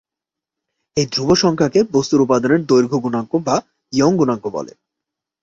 এই ধ্রুব সংখ্যাকে বস্তুর উপাদানের দৈর্ঘ্য গুণাঙ্ক বা ইয়ং গুণাঙ্ক বলে।